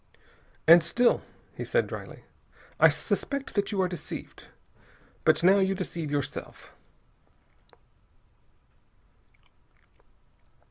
"And still," he said dryly, "I suspect that you are deceived. But now you deceive yourself."